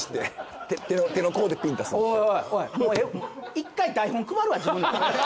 １回台本配るわ自分ら。